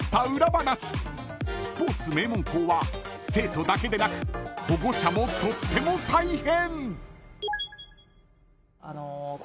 ［スポーツ名門校は生徒だけでなく保護者もとっても大変］